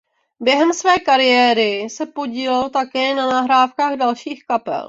Během své kariéry se podílel také na nahrávkách dalších kapel.